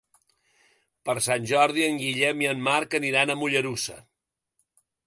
Per Sant Jordi en Guillem i en Marc aniran a Mollerussa.